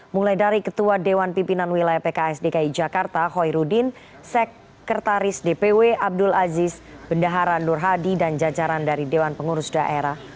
mulai dari ketua dewan pimpinan wilayah pks dki jakarta hoirudin sekretaris dpw abdul aziz bendahara nur hadi dan jajaran dari dewan pengurus daerah